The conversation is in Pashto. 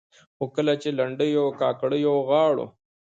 خو کله چې لنډيو او کاکړيو غاړو